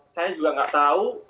saya juga tidak tahu